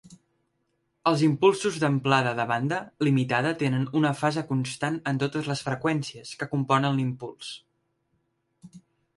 Els impulsos d'amplada de banda limitada tenen una fase constant en totes les freqüències que componen l'impuls.